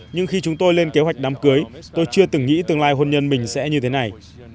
nhưng khi chúng tôi lên kế hoạch đám cưới tôi chưa từng nghĩ tương lai hôn nhân mình sẽ như thế này